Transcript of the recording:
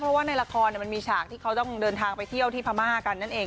เพราะว่าในละครมันมีฉากที่เขาต้องเดินทางไปเที่ยวที่พม่ากันนั่นเอง